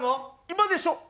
今でしょ！！